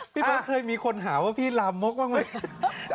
พี่เบิร์ตเคยมีคนหาว่าพี่ลามกบ้างไหม